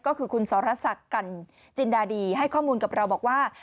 ก็คือคุณสรษักกันจินดาดีให้ข้อมูลกับเราบอกว่า